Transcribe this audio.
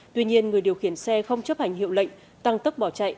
tuy nhiên người điều khiển xe không chấp hành hiệu lệnh tăng tốc bỏ chạy